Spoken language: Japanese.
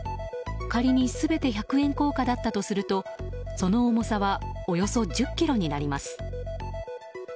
仮に全て百円硬貨だったとするとその重さはおよそ１０ｋｇになります。